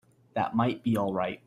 That might be all right.